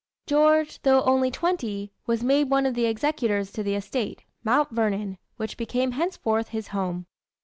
George, though only twenty, was made one of the executors to the estate, Mount Vernon, which became henceforth his home.